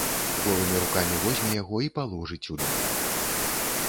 Голымі рукамі возьме яго і паложыць у люльку.